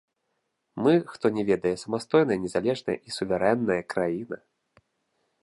Мы, хто не ведае, самастойная незалежная і суверэнная краіна.